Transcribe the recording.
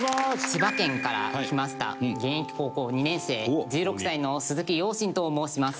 千葉県から来ました現役高校２年生１６歳の鈴木陽心と申します。